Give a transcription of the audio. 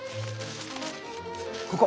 ここ！